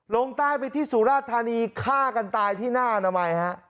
ลงใต้ไปที่สุราธานีฆ่ากันตายที่หน้าอนามัยฮะ